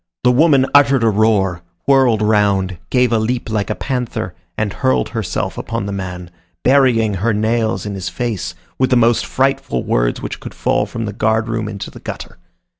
The woman uttered a roar, whirled round, gave a leap like a panther, and hurled herself upon the man, burying her nails in his face, with the most frightful words which could fall from the guard room into the gutter.